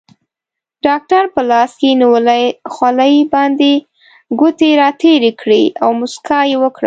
ډاکټر په لاس کې نیولې خولۍ باندې ګوتې راتېرې کړې او موسکا یې وکړه.